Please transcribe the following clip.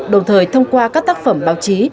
đồng thời thông qua các tác phẩm báo chí